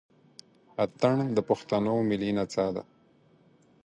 اتڼ د پښتنو ملي نڅا ده.